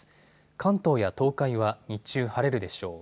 関東や東海は日中晴れるでしょう。